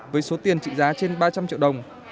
với số tiền trị giá trên ba trăm linh triệu đồng